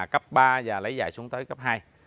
cấp ba và lấy dài xuống tới cấp hai